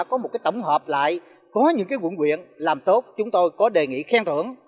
chúng tôi đã có một tổng hợp lại có những quận huyện làm tốt chúng tôi có đề nghị khen thưởng